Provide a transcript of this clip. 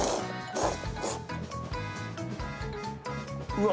うわ